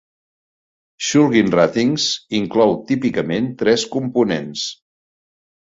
"Shulgin Ratings" inclou típicament tres components.